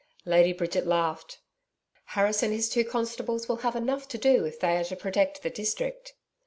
Lady Bridget laughed. 'Harris and his two constables will have enough to do if they are to protect the district.'